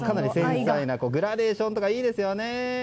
グラデーションとかいいですね。